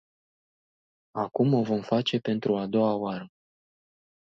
Acum o vom face pentru a doua oară.